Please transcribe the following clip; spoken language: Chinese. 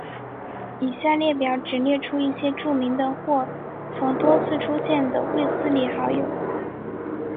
以下列表只列出一些著名的或曾多次出现的卫斯理好友。